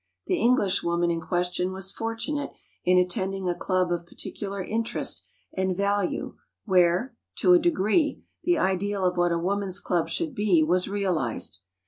The English woman in question was fortunate in attending a club of particular interest and value where, to a degree, the ideal of what a woman's club should be was realized.